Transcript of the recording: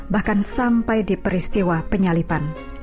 bahkan sampai di peristiwa penyalipan